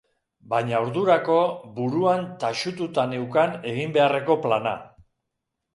Baina ordurako buruan taxututa neukan egin beharreko plana.